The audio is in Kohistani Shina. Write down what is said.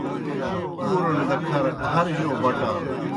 پُورَݨ دہ کھر ہر جو بٹانوْ۔